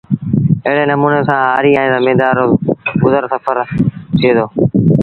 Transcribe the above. ايڙي نموٚني سآݩ هآريٚ ائيٚݩ زميݩدآر روسڦر گزر ٿئي دو